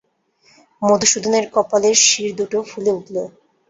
মধুসূদনের কপালের শিরদুটো ফুলে উঠল।